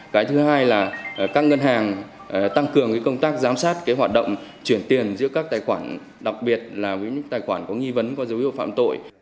cái thứ hai là các ngân hàng tăng cường công tác giám sát hoạt động chuyển tiền giữa các tài khoản đặc biệt là với những tài khoản có nghi vấn có dấu hiệu phạm tội